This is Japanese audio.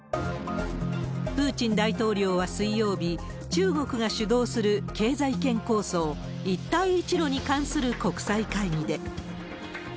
プーチン大統領は水曜日、中国が主導する経済圏構想、一帯一路に関する国際会議で。